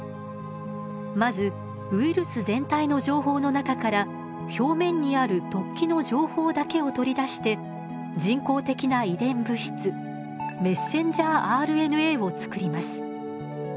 まずウイルス全体の情報の中から表面にある突起の情報だけを取り出して人工的な遺伝物質ｍＲＮＡをつくります。